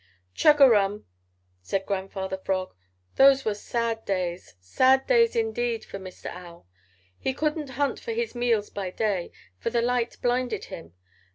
"Chug a rum," said Grandfather Frog, "those were sad days, sad days indeed for Mr. Owl. He couldn't hunt for his meals by day, for the light blinded him.